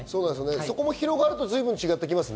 そこも広がると随分違ってきますね。